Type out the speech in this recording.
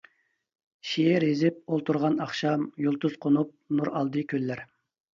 شېئىر يېزىپ ئولتۇرغان ئاخشام، يۇلتۇز قونۇپ نور ئالدى كۆللەر.